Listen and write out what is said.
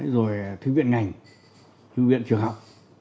rồi thư viện ngành thư viện trường học